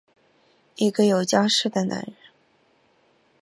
一个有家室的男人！